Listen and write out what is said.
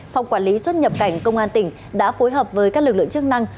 phòng quản lý xuất nhập cảnh công an tỉnh đã phối hợp với các lực lượng chức năng